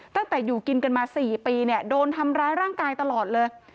ตั้งแต่อยู่กินกันมา๔ปีเนี่ยโดนทำร้ายร่างกายตลอดเลย